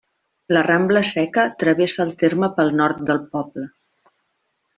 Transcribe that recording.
La rambla Seca travessa el terme pel nord del poble.